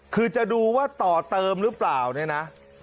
คือจะดูว่าต่อเติมหรือเปล่าเนี่ยนะ